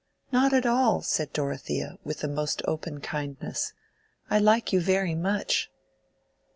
"Not at all," said Dorothea, with the most open kindness. "I like you very much."